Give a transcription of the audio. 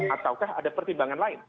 ataukah ada pertimbangan lain